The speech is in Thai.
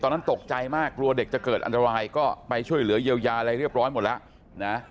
ตอนนั้นตกใจมากกลัวเด็กจะเกิดอันตรายก็ไปช่วยเหลือเยียวยาอะไรเรียบร้อยหมดแล้วนะ